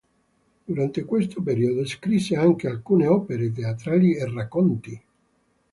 Durante questo periodo scrisse anche alcune opere teatrali e racconti.